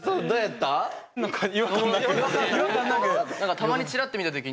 どうやった？